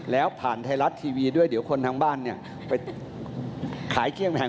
แล้วผ่านไทยรัฐทีวีด้วยเดี๋ยวคนทางบ้านเนี่ยไปขายเครื่องแพง